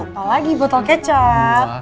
apa lagi botol kecap